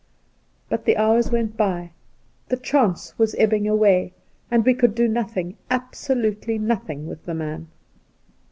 But the hours went by, the last chance was ebbing away, and we could do nothing — absolutely nothing — with the man.